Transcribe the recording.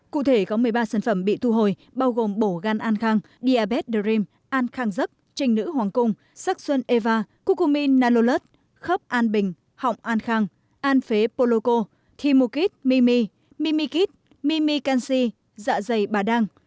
cụ thể có một mươi ba sản phẩm bị thu hồi bao gồm bổ gan an khang diabetes dream an khang giấc trình nữ hoàng cung sắc xuân eva cucumin nanolud khớp an bình họng an khang an phế poloco thimukit mimi mimikit mimi kansi dạ dày bà đăng